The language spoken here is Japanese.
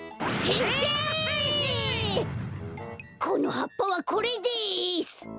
このはっぱはこれです。